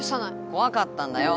こわかったんだよ！